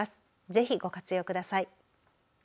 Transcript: ぜひご活用ください。